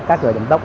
các g giảm tốc